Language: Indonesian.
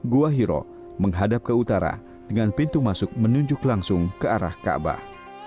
gua hiro menghadap ke utara dengan pintu masuk menunjuk langsung ke arah kaabah